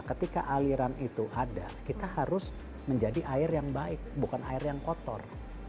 ketika aliran itu ada kita harus menjadi air yang baik bukan air yang kotor